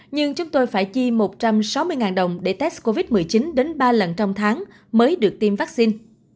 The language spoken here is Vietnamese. nhưng chúng tôi phải chi một trăm sáu mươi đồng để test covid một mươi chín đến ba lần trong tháng mới được tiêm vaccine